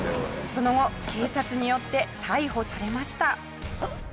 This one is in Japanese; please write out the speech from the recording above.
その後警察によって逮捕されました。